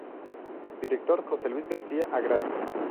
Director Jose Luis Garcia Agraz.